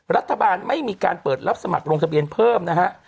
รัฐบาลไม่มีการเปิดรับสมัครลงทะเบียนเพิ่มนะฮะ